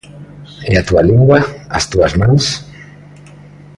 E a túa lingua, as túas mans?